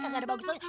gak ada bagus bagus